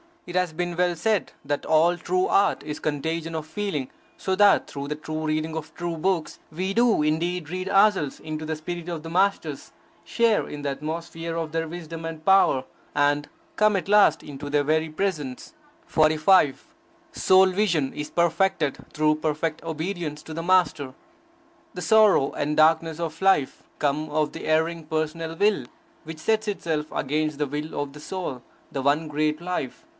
It has been well said that all true art is contagion of feeling; so that through the true reading of true books we do indeed read ourselves into the spirit of the Masters, share in the atmosphere of their wisdom and power, and come at last into their very presence. 45. Soul vision is perfected through perfect obedience to the Master. The sorrow and darkness of life come of the erring personal will which sets itself against the will of the Soul, the one great Life.